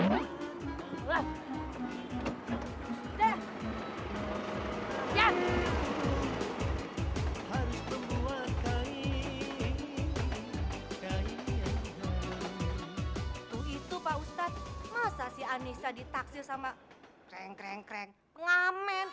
tuh itu pak ustadz masa si anissa ditaksir sama krengkreng kreng ngamen